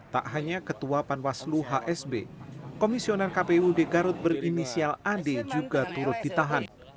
tak hanya ketua panwaslu hsb komisioner kpud garut berinisial ad juga turut ditahan